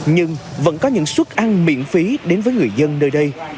nhưng vẫn có những suất ăn miễn phí đến với người dân nơi đây